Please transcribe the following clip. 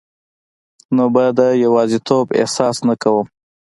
نو به د یوازیتوب احساس نه کوم